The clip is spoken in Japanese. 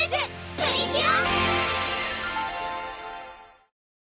プリキュア！